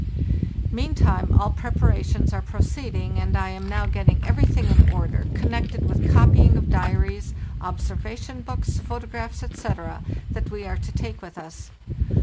' Meantime all preparations are proceeding, and I am now getting everything in order connected with copying of diaries, observation books, photographs, etc., that we are to take with us.